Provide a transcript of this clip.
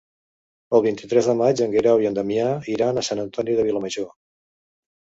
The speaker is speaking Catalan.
El vint-i-tres de maig en Guerau i en Damià iran a Sant Antoni de Vilamajor.